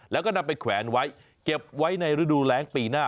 แล้วก็นำไปแขวนไว้เก็บไว้ในฤดูแรงปีหน้า